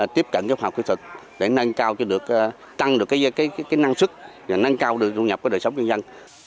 tiếp cận các hợp kỹ thuật để nâng cao cho được tăng được cái năng sức và nâng cao được thu nhập của đời sống dân dân